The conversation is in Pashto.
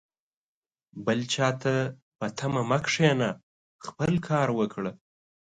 بل چاته په تمه مه کښېنه ، خپله کار وکړه